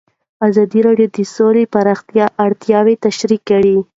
ازادي راډیو د سوله د پراختیا اړتیاوې تشریح کړي.